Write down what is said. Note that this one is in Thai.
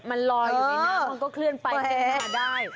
มันลอยอยู่ในน้ำมันก็เคลื่อนไปแก้มาได้